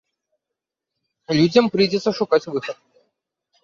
Людзям прыйдзецца шукаць выхад.